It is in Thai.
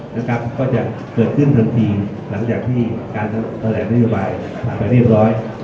นะครับก็จะเกิดขึ้นทันทีหลังจากที่การแถลงนโยบายไปเรียบร้อย